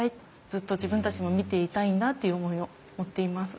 ずっと自分たちも見ていたいんだっていう思いを持っています。